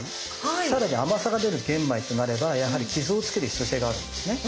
さらに甘さが出る玄米となればやはり傷をつける必要性があるんですね。